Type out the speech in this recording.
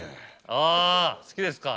あぁ好きですか。